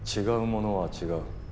違うものは違う。